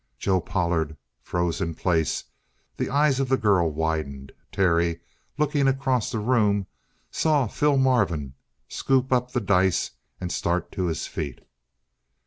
Joe Pollard froze in place; the eyes of the girl widened. Terry, looking across the room, saw Phil Marvin scoop up the dice and start to his feet.